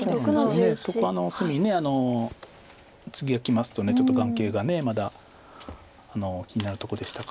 そうなんですそこ隅ツギがきますとちょっと眼形がまだ気になるとこでしたから。